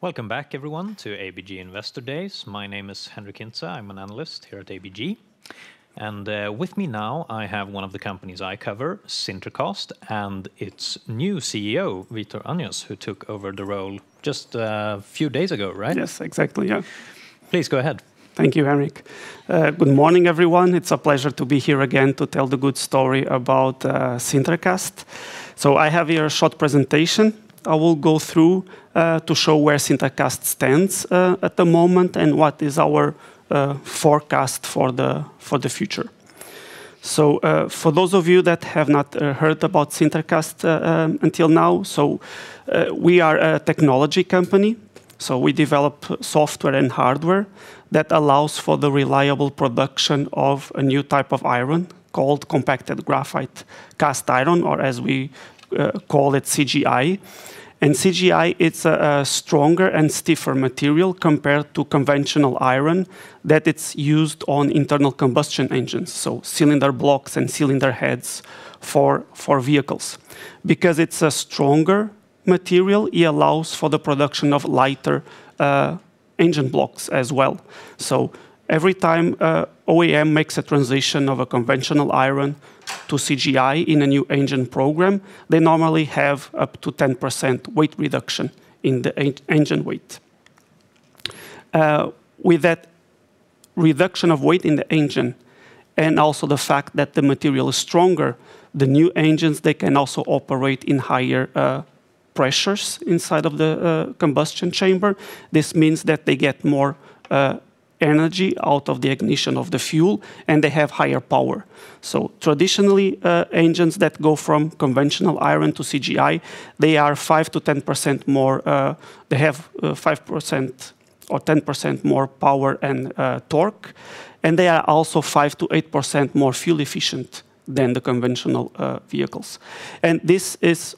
Welcome back everyone to ABG Investor Days. My name is Henric Hintze. I'm an analyst here at ABG, With me now I have one of the companies I cover, SinterCast, and its new CEO, Vítor Anjos, who took over the role just a few days ago, right? Yes, exactly. Please go ahead. Thank you, Henric. Good morning, everyone. It's a pleasure to be here again to tell the good story about SinterCast. I have here a short presentation I will go through to show where SinterCast stands at the moment and what is our forecast for the future. For those of you that have not heard about SinterCast until now, we are a technology company. We develop software and hardware that allows for the reliable production of a new type of iron called Compacted Graphite Cast Iron, or as we call it, CGI. CGI, it's a stronger and stiffer material compared to conventional iron that it's used on internal combustion engines, cylinder blocks and cylinder heads for vehicles. Because it's a stronger material, it allows for the production of lighter engine blocks as well. Every time OEM makes a transition of a conventional iron to CGI in a new engine program, they normally have up to 10% weight reduction in the engine weight. With that reduction of weight in the engine, and also the fact that the material is stronger, the new engines, they can also operate in higher pressures inside of the combustion chamber. This means that they get more energy out of the ignition of the fuel, and they have higher power. Traditionally, engines that go from conventional iron to CGI, they have 5% or 10% more power and torque, and they are also 5%-8% more fuel efficient than the conventional vehicles. This is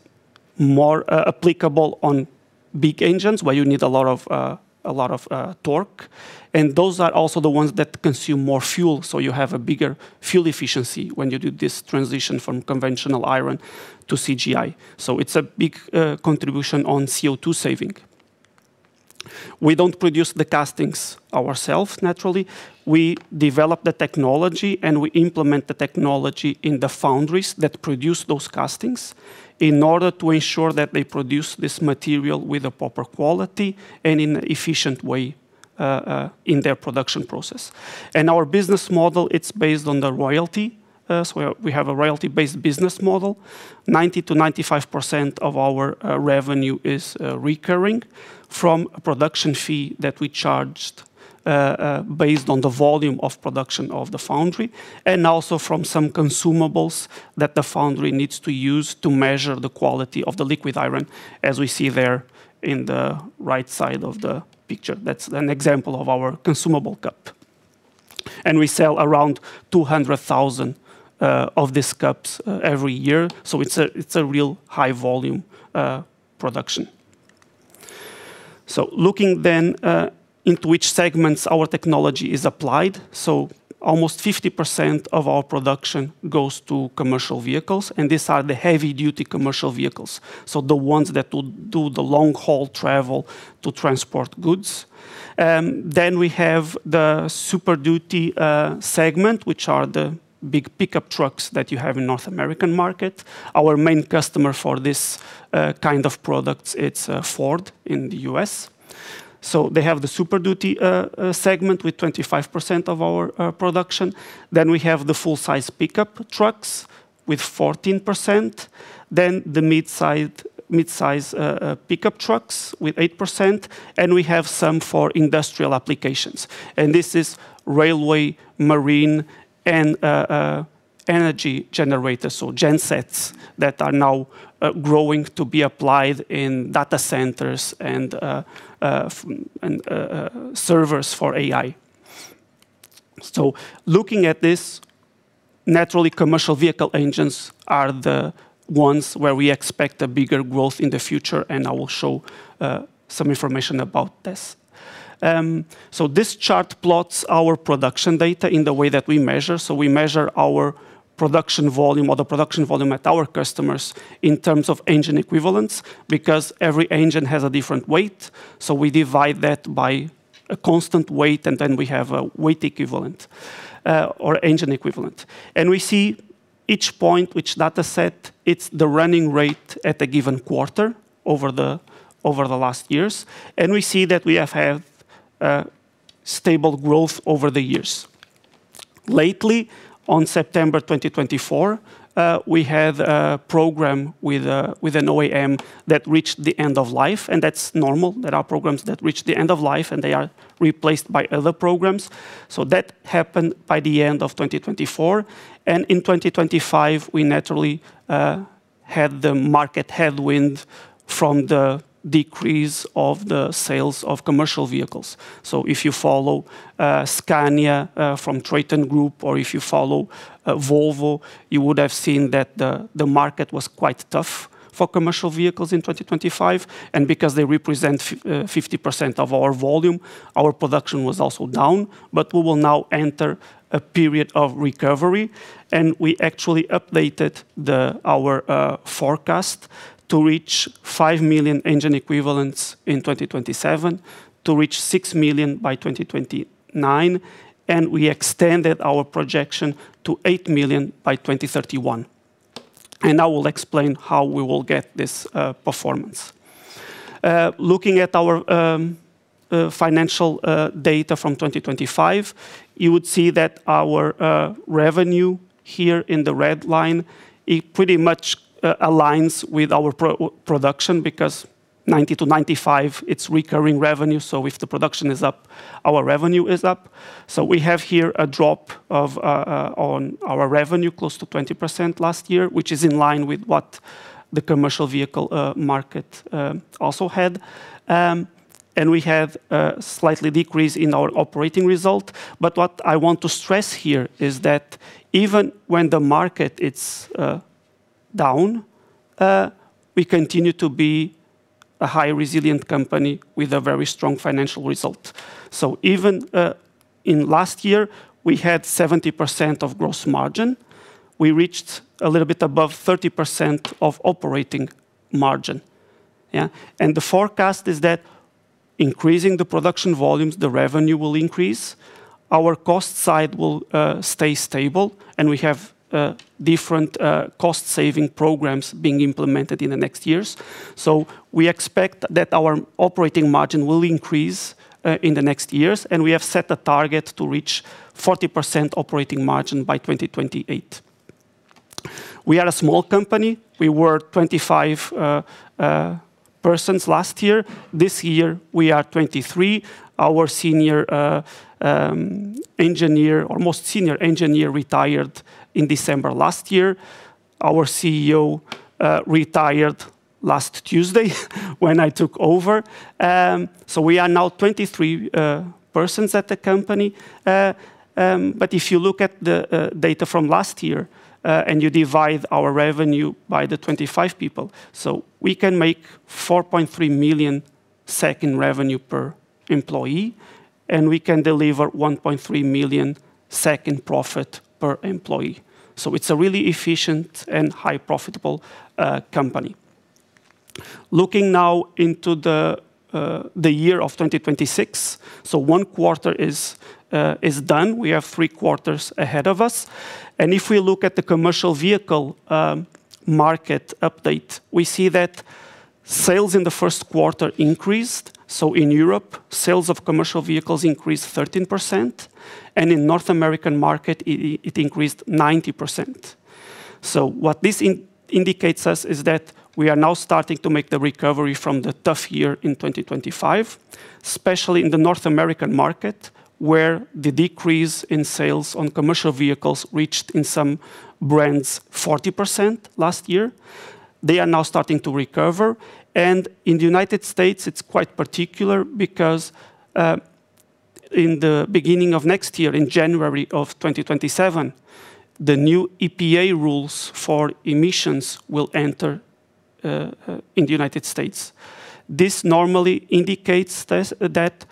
more applicable on big engines where you need a lot of torque. Those are also the ones that consume more fuel, so you have a bigger fuel efficiency when you do this transition from conventional iron to CGI. It's a big contribution on CO2 saving. We don't produce the castings ourselves, naturally. We develop the technology, and we implement the technology in the foundries that produce those castings in order to ensure that they produce this material with the proper quality and in an efficient way, in their production process. Our business model, it's based on the royalty. We have a royalty-based business model. 90%-95% of our revenue is recurring from a production fee that we charged based on the volume of production of the foundry, and also from some consumables that the foundry needs to use to measure the quality of the liquid iron, as we see there in the right side of the picture. That's an example of our consumable cup. We sell around 200,000 of these cups every year, so it's a real high volume production. Looking then into which segments our technology is applied. Almost 50% of our production goes to commercial vehicles, and these are the heavy duty commercial vehicles, so the ones that will do the long haul travel to transport goods. We have the Super Duty segment, which are the big pickup trucks that you have in North American market. Our main customer for this kind of product, it's Ford in the U.S. They have the Super Duty segment with 25% of our production. We have the full size pickup trucks with 14%, then the mid-size pickup trucks with 8%, and we have some for industrial applications. This is railway, marine, and energy generators or gensets that are now growing to be applied in data centers and servers for AI. Looking at this, naturally commercial vehicle engines are the ones where we expect a bigger growth in the future, and I will show some information about this. This chart plots our production data in the way that we measure. We measure our production volume or the production volume at our customers in terms of engine equivalents, because every engine has a different weight. We divide that by a constant weight, and then we have a weight equivalent or engine equivalent. We see each point, each data set, it's the running rate at a given quarter over the last years, and we see that we have had stable growth over the years. Lately, on September 2024, we had a program with an OEM that reached the end of life, and that's normal. There are programs that reach the end of life, and they are replaced by other programs. That happened by the end of 2024, and in 2025, we naturally had the market headwind from the decrease of the sales of commercial vehicles. If you follow Scania from TRATON GROUP or if you follow Volvo, you would have seen that the market was quite tough for commercial vehicles in 2025. Because they represent 50% of our volume, our production was also down. We will now enter a period of recovery. We actually updated our forecast to reach 5 million Engine Equivalents in 2027, to reach 6 million by 2029, and we extended our projection to 8 million by 2031. I will explain how we will get this performance. Looking at our financial data from 2025, you would see that our revenue here in the red line, it pretty much aligns with our production because 90%-95%, it's recurring revenue. If the production is up, our revenue is up. We have here a drop on our revenue close to 20% last year, which is in line with what the commercial vehicle market also had. We have slightly decrease in our operating result. What I want to stress here is that even when the market, it's down, we continue to be a high resilient company with a very strong financial result. Even in last year, we had 70% of gross margin. We reached a little bit above 30% of operating margin. Yeah. The forecast is that increasing the production volumes, the revenue will increase. Our cost side will stay stable. We have different cost-saving programs being implemented in the next years. We expect that our operating margin will increase in the next years, and we have set a target to reach 40% operating margin by 2028. We are a small company. We were 25 persons last year. This year, we are 23. Our senior engineer, or most senior engineer, retired in December last year. Our CEO retired last Tuesday when I took over. We are now 23 persons at the company. If you look at the data from last year, and you divide our revenue by the 25 people, we can make 4.3 million SEK in revenue per employee, and we can deliver 1.3 million SEK in profit per employee. It's a really efficient and high profitable company. Looking now into the year of 2026, one quarter is done. We have three quarters ahead of us. If we look at the commercial vehicle market update, we see that sales in the first quarter increased. In Europe, sales of commercial vehicles increased 13%, and in North American market, it increased 90%. What this indicates us is that we are now starting to make the recovery from the tough year in 2025, especially in the North American market, where the decrease in sales on commercial vehicles reached, in some brands, 40% last year. They are now starting to recover. In the United States, it's quite particular because, in the beginning of next year, in January 2027, the new EPA rules for emissions will enter in United States. This normally indicates that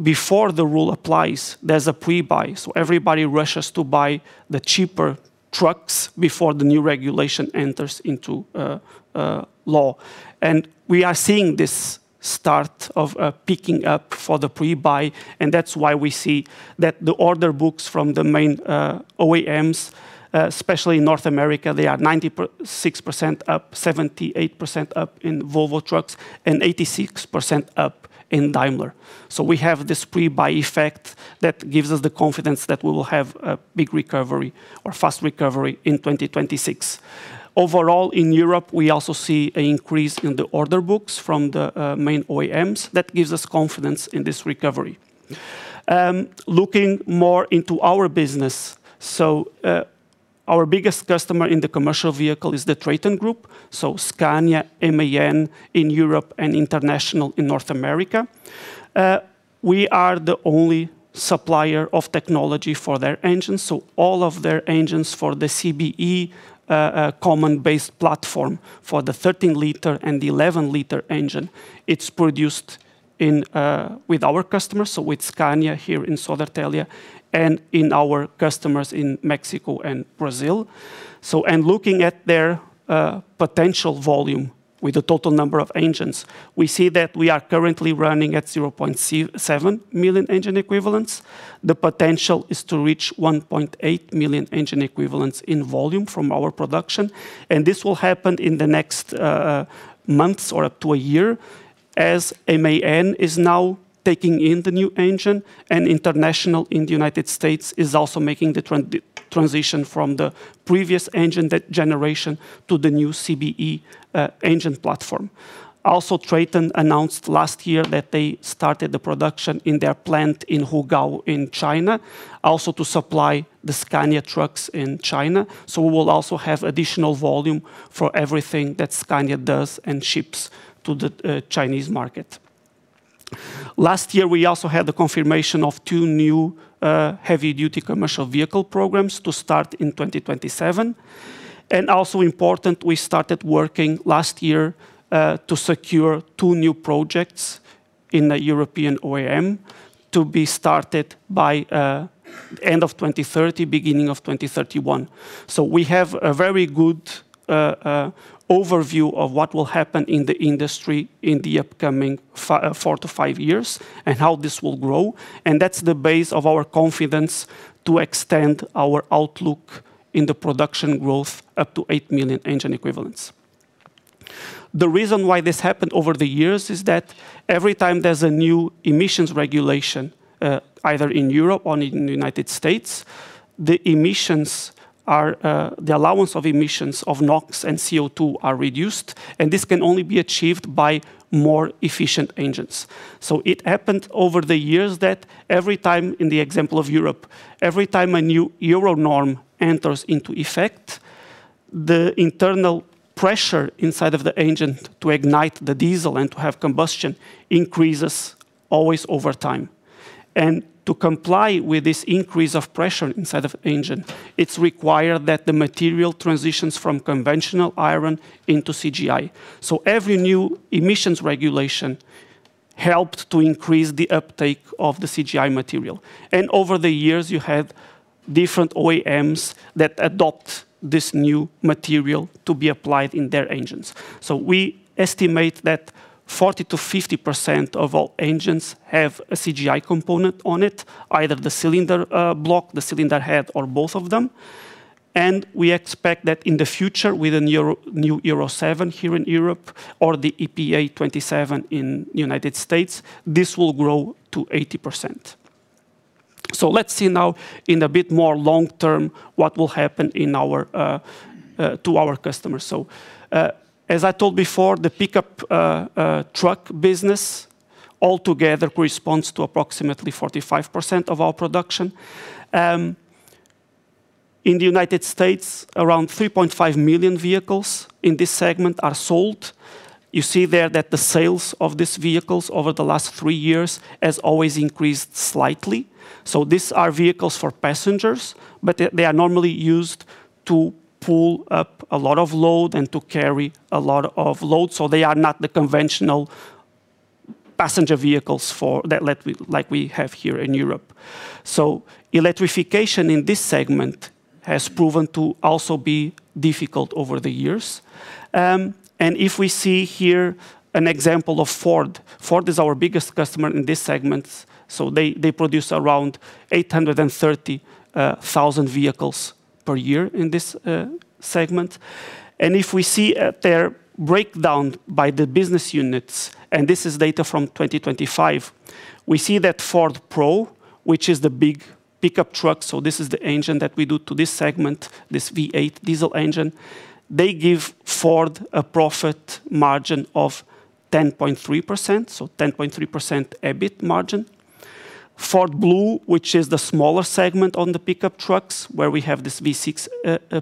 before the rule applies, there's a pre-buy. Everybody rushes to buy the cheaper trucks before the new regulation enters into law. We are seeing this start of picking up for the pre-buy, and that's why we see that the order books from the main OEMs, especially in North America, they are 96% up, 78% up in Volvo Trucks, and 86% up in Daimler. We have this pre-buy effect that gives us the confidence that we will have a big recovery or fast recovery in 2026. Overall, in Europe, we also see an increase in the order books from the main OEMs. That gives us confidence in this recovery. Looking more into our business, so, our biggest customer in the commercial vehicle is the TRATON GROUP, so Scania, MAN in Europe and International in North America. We are the only supplier of technology for their engines, so all of their engines for the CBE, common base platform for the 13 L and the 11 L engine. It's produced with our customers, so with Scania here in Södertälje and in our customers in Mexico and Brazil. Looking at their potential volume with the total number of engines, we see that we are currently running at 0.7 million Engine Equivalents. The potential is to reach 1.8 million Engine Equivalents in volume from our production. This will happen in the next months or up to a year as MAN is now taking in the new engine, and International in the United States is also making the transition from the previous engine, that generation, to the new CBE engine platform. TRATON announced last year that they started the production in their plant in Rugao in China, also to supply the Scania Trucks in China. We will also have additional volume for everything that Scania does and ships to the Chinese market. Last year, we also had the confirmation of two new heavy-duty commercial vehicle programs to start in 2027. Important, we started working last year to secure two new projects in the European OEM to be started by end of 2030, beginning of 2031. We have a very good overview of what will happen in the industry in the upcoming four to five years and how this will grow, and that's the base of our confidence to extend our outlook in the production growth up to 8 million Engine Equivalents. The reason why this happened over the years is that every time there's a new emissions regulation, either in Europe or in the United States, the allowance of emissions of NOx and CO2 are reduced, and this can only be achieved by more efficient engines. It happened over the years that, in the example of Europe, every time a new Euronorm enters into effect, the internal pressure inside of the engine to ignite the diesel and to have combustion increases always over time. To comply with this increase of pressure inside of engine, it is required that the material transitions from conventional iron into CGI. Every new emissions regulation helped to increase the uptake of the CGI material. Over the years, you had different OEMs that adopt this new material to be applied in their engines. We estimate that 40%-50% of all engines have a CGI component on it, either the cylinder block, the cylinder head, or both of them. We expect that in the future, with a new Euro 7 here in Europe or the EPA 2027 in United States, this will grow to 80%. Let's see now in a bit more long-term what will happen to our customers. As I told before, the pickup truck business altogether corresponds to approximately 45% of our production. In United States, around 3.5 million vehicles in this segment are sold. You see there that the sales of these vehicles over the last three years has always increased slightly. These are vehicles for passengers, but they are normally used to pull up a lot of load and to carry a lot of load, so they are not the conventional passenger vehicles like we have here in Europe. Electrification in this segment has proven to also be difficult over the years. If we see here an example of Ford. Ford is our biggest customer in this segment, so they produce around 830,000 vehicles per year in this segment. If we see their breakdown by the business units, this is data from 2025, we see that Ford Pro, which is the big pickup truck, so this is the engine that we do to this segment, this V8 diesel engine, they give Ford a profit margin of 10.3%, so 10.3% EBIT margin. Ford Blue, which is the smaller segment on the pickup trucks, where we have this V6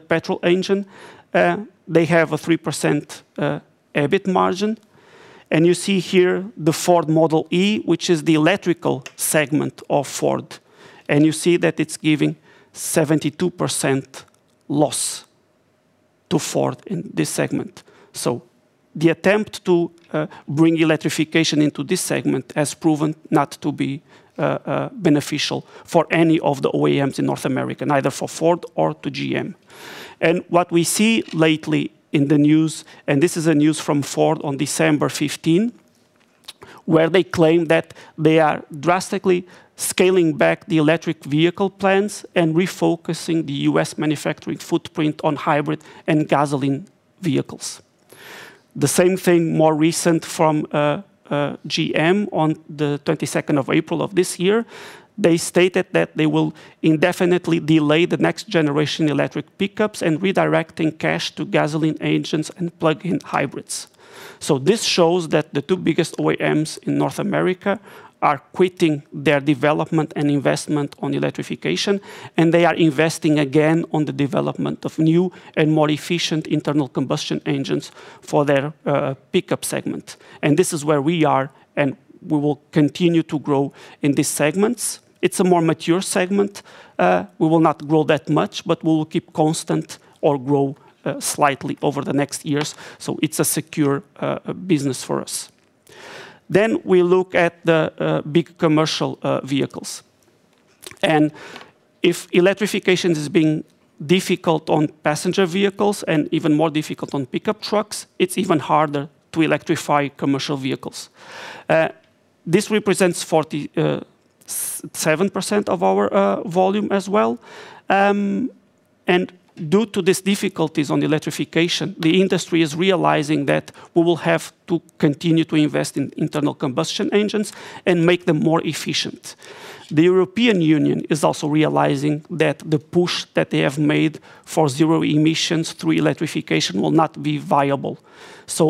petrol engine, they have a 3% EBIT margin. You see here the Ford Model e, which is the electrical segment of Ford, and you see that it's giving 72% loss to Ford in this segment. The attempt to bring electrification into this segment has proven not to be beneficial for any of the OEMs in North America, neither for Ford or to GM. What we see lately in the news, and this is a news from Ford on December 15, where they claim that they are drastically scaling back the electric vehicle plans and refocusing the U.S. manufacturing footprint on hybrid and gasoline vehicles. The same thing, more recent from GM, on the 22nd of April of this year, they stated that they will indefinitely delay the next-generation electric pickups and redirecting cash to gasoline engines and plug-in hybrids. This shows that the two biggest OEMs in North America are quitting their development and investment on electrification, and they are investing again on the development of new and more efficient internal combustion engines for their pickup segment. This is where we are, and we will continue to grow in these segments. It's a more mature segment. We will not grow that much, but we will keep constant or grow slightly over the next years. It's a secure business for us. We look at the big commercial vehicles. If electrification has been difficult on passenger vehicles and even more difficult on pickup trucks, it's even harder to electrify commercial vehicles. This represents 47% of our volume as well. Due to these difficulties on electrification, the industry is realizing that we will have to continue to invest in internal combustion engines and make them more efficient. The European Union is also realizing that the push that they have made for zero emissions through electrification will not be viable.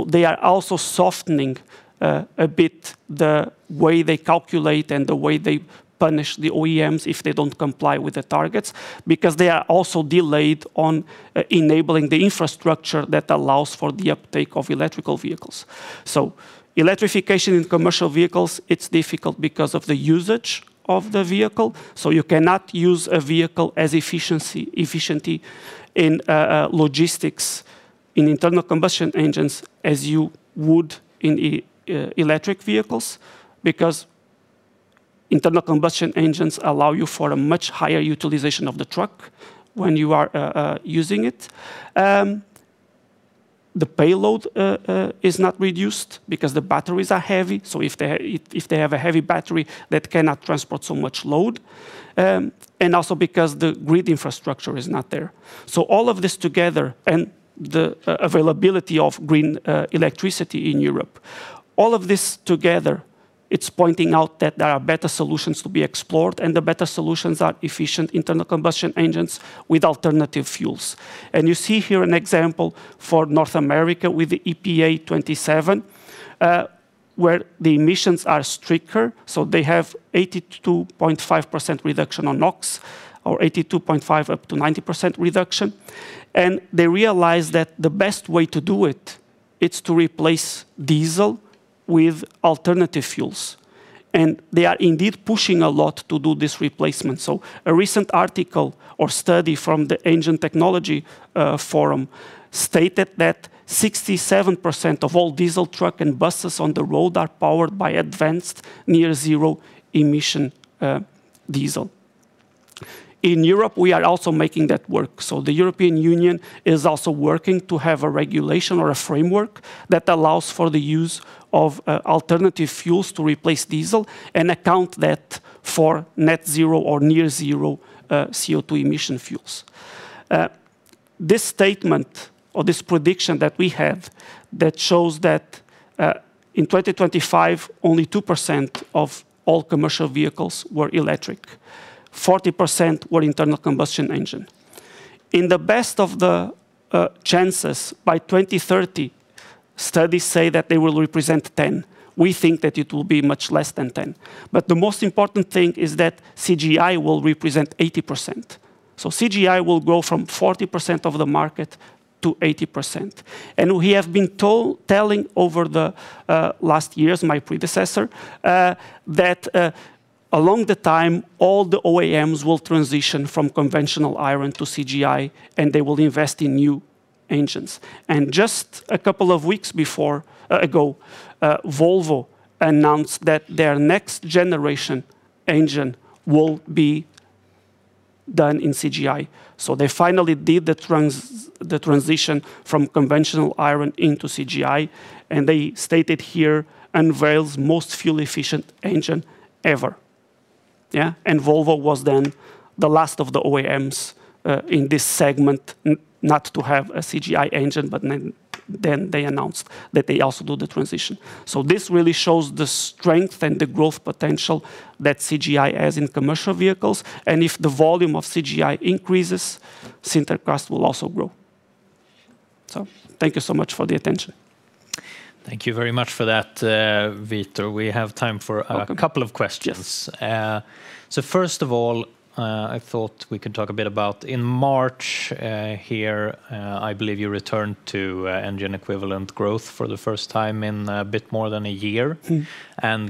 They are also softening a bit the way they calculate and the way they punish the OEMs if they don't comply with the targets, because they are also delayed on enabling the infrastructure that allows for the uptake of electric vehicles. Electrification in commercial vehicles, it's difficult because of the usage of the vehicle. You cannot use a vehicle as efficiently in logistics in internal combustion engines as you would in electric vehicles, because internal combustion engines allow you for a much higher utilization of the truck when you are using it. The payload is not reduced because the batteries are heavy, so if they have a heavy battery, that cannot transport so much load, and also because the grid infrastructure is not there. All of this together and the availability of green electricity in Europe. All of this together, it's pointing out that there are better solutions to be explored, and the better solutions are efficient internal combustion engines with alternative fuels. You see here an example for North America with the EPA 2027, where the emissions are stricter. They have 82.5% reduction on NOx, or 82.5% up to 90% reduction. They realize that the best way to do it's to replace diesel with alternative fuels. They are indeed pushing a lot to do this replacement. A recent article or study from the Engine Technology Forum stated that 67% of all diesel truck and buses on the road are powered by advanced near-zero emission diesel. In Europe, we are also making that work. The European Union is also working to have a regulation or a framework that allows for the use of alternative fuels to replace diesel and account that for net-zero or near-zero CO2 emission fuels. This statement or this prediction that we have that shows that in 2025, only 2% of all commercial vehicles were electric. 40% were internal combustion engine. In the best of the chances, by 2030, studies say that they will represent 10%. We think that it will be much less than 10%. The most important thing is that CGI will represent 80%. CGI will grow from 40% of the market to 80%. We have been telling over the last years, my predecessor, that along the time, all the OEMs will transition from conventional iron to CGI, and they will invest in new engines. Just a couple of weeks ago, Volvo announced that their next-generation engine will be done in CGI. They finally did the transition from conventional iron into CGI, and they stated here, "Unveils most fuel-efficient engine ever." Yeah. Volvo was then the last of the OEMs in this segment not to have a CGI engine, but then they announced that they also do the transition. This really shows the strength and the growth potential that CGI has in commercial vehicles. If the volume of CGI increases, SinterCast will also grow. Thank you so much for the attention. Thank you very much for that, Vítor. We have time for. Welcome. A couple of questions. Yes. First of all, I thought we could talk a bit about, in March here, I believe you returned to Engine Equivalents growth for the first time in a bit more than a year.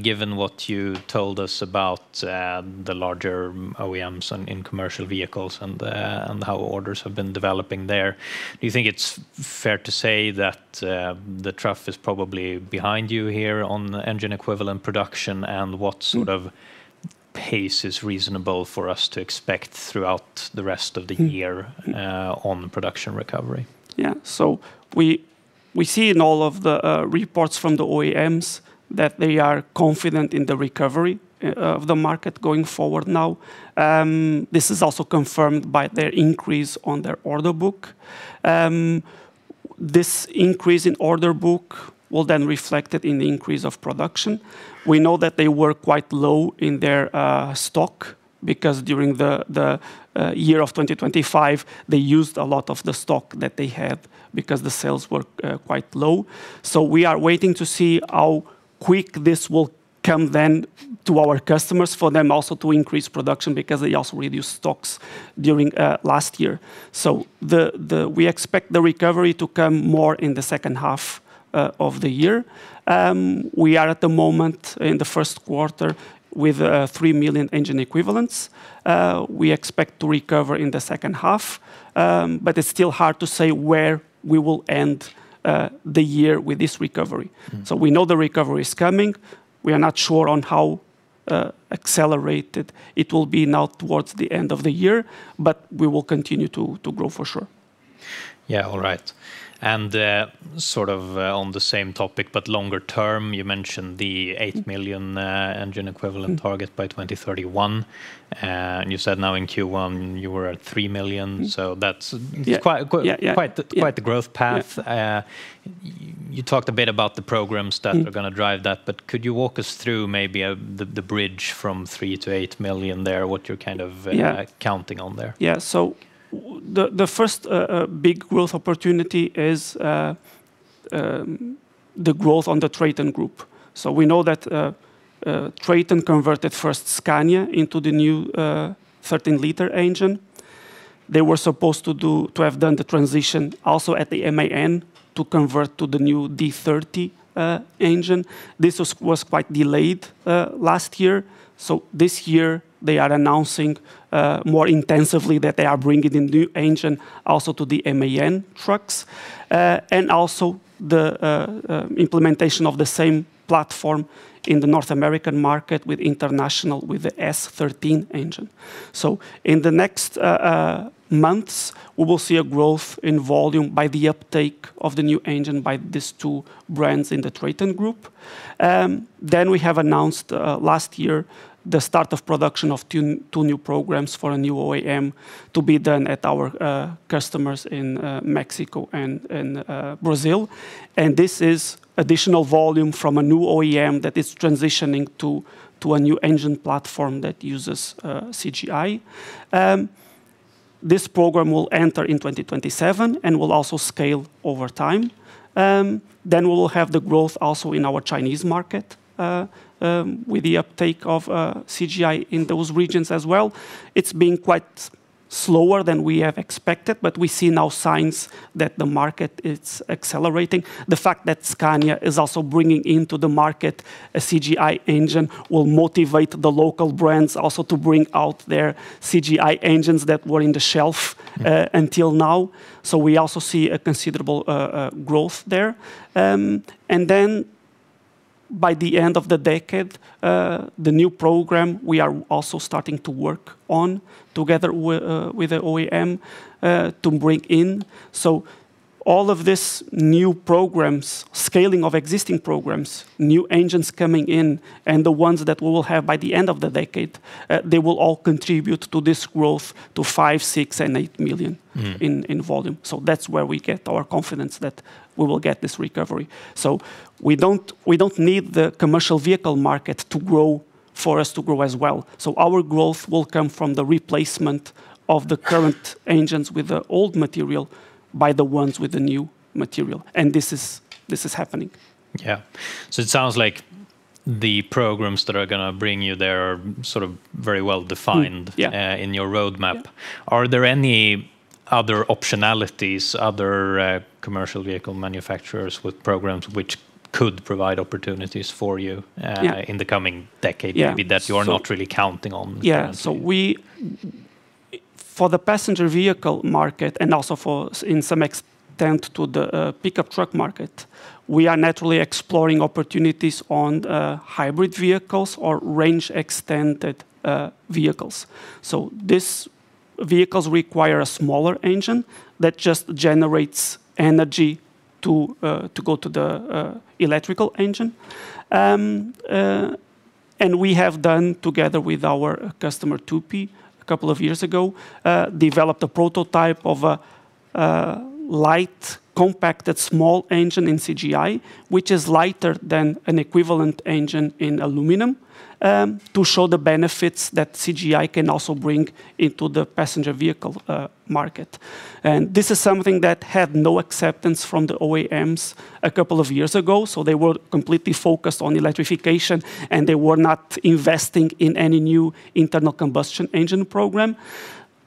Given what you told us about the larger OEMs in commercial vehicles and how orders have been developing there, do you think it is fair to say that the trough is probably behind you here on Engine Equivalent production? What sort of pace is reasonable for us to expect throughout the rest of the year?on production recovery? Yeah. We see in all of the reports from the OEMs that they are confident in the recovery of the market going forward now. This is also confirmed by their increase on their order book. This increase in order book will reflect it in the increase of production. We know that they were quite low in their stock because during the year of 2025, they used a lot of the stock that they had because the sales were quite low. We are waiting to see how quick this will come to our customers for them also to increase production because they also reduced stocks during last year. We expect the recovery to come more in the second half of the year. We are at the moment in the first quarter with 3 million Engine Equivalents. We expect to recover in the second half. It's still hard to say where we will end the year with this recovery. We know the recovery is coming. We are not sure on how accelerated it will be now towards the end of the year, but we will continue to grow for sure. Yeah. All right. Sort of on the same topic but longer term, you mentioned the 8 million Engine Equivalent target by 2031. You said now in Q1 you were at 3 million. So that's- Yeah quite the growth path. Yeah. You talked a bit about the programs that are going to drive that, but could you walk us through maybe the bridge from three to 8 million there? Yeah counting on there? Yeah. The first big growth opportunity is the growth on the TRATON GROUP. We know that TRATON converted first Scania into the new 13 L engine. They were supposed to have done the transition also at the MAN to convert to the new D30 engine. This was quite delayed last year. This year they are announcing more intensively that they are bringing the new engine also to the MAN Trucks. Also the implementation of the same platform in the North American market with International, with the S13 engine. In the next months, we will see a growth in volume by the uptake of the new engine by these two brands in the TRATON GROUP. We have announced last year the start of production of two new programs for a new OEM to be done at our customers in Mexico and Brazil. This is additional volume from a new OEM that is transitioning to a new engine platform that uses CGI. This program will enter in 2027 and will also scale over time. We will have the growth also in our Chinese market, with the uptake of CGI in those regions as well. It's been quite slower than we have expected, but we see now signs that the market is accelerating. The fact that Scania is also bringing into the market a CGI engine will motivate the local brands also to bring out their CGI engines that were in the shelf until now. We also see a considerable growth there. By the end of the decade, the new program we are also starting to work on together with the OEM to bring in. All of this new programs, scaling of existing programs, new engines coming in, and the ones that we will have by the end of the decade, they will all contribute to this growth to 5 million, 6 million, and 8 million in volume. That's where we get our confidence that we will get this recovery. We don't need the commercial vehicle market to grow for us to grow as well. Our growth will come from the replacement of the current engines with the old material by the ones with the new material, and this is happening. Yeah. It sounds like the programs that are going to bring you there are very well defined. Yeah. In your roadmap. Are there any other optionalities, other commercial vehicle manufacturers with programs which could provide opportunities for you in the coming decade. Yeah. Maybe that you are not really counting on? For the passenger vehicle market and also in some extent to the pickup truck market, we are naturally exploring opportunities on hybrid vehicles or range-extended vehicles. These vehicles require a smaller engine that just generates energy to go to the electrical engine. We have done, together with our customer, Tupy, a couple of years ago, developed a prototype of a light, compacted small engine in CGI, which is lighter than an equivalent engine in aluminum, to show the benefits that CGI can also bring into the passenger vehicle market. This is something that had no acceptance from the OEMs a couple of years ago, so they were completely focused on electrification, and they were not investing in any new internal combustion engine program.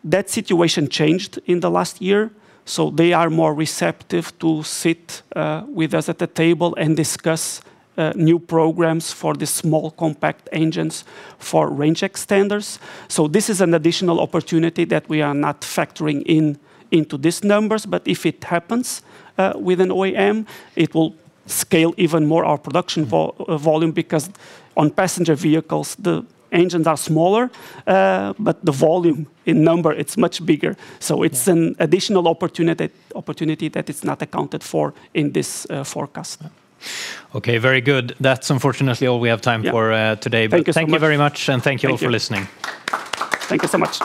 That situation changed in the last year, so they are more receptive to sit with us at the table and discuss new programs for the small compact engines for range extenders. This is an additional opportunity that we are not factoring into these numbers, but if it happens with an OEM, it will scale even more our production volume, because on passenger vehicles, the engines are smaller, but the volume in number, it's much bigger. It's an additional opportunity that is not accounted for in this forecast. Okay. Very good. That's unfortunately all we have time for today. Yeah. Thank you so much. Thank you very much and thank you all for listening. Thank you. Thank you so much